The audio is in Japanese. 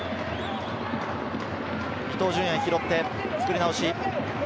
伊東純也が拾って作り直し。